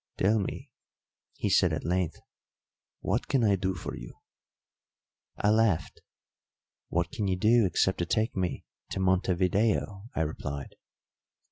"Tell me," he said at length, "what can I do for you?" I laughed. "What can you do except to take me to Montevideo?" I replied.